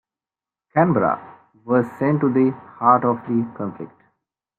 "Canberra" was sent to the heart of the conflict.